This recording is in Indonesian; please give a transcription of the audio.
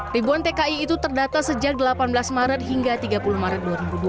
ribuan tki itu terdata sejak delapan belas maret hingga tiga puluh maret dua ribu dua puluh